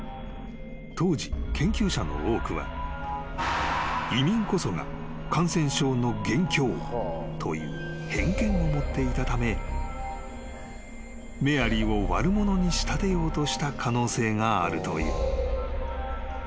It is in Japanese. ［当時研究者の多くは移民こそが感染症の元凶という偏見を持っていたためメアリーを悪者に仕立てようとした可能性があるという］